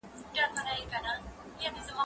زه به سبا پاکوالي ساتم وم؟!